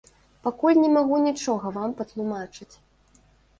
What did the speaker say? Пакуль не магу нічога вам патлумачыць.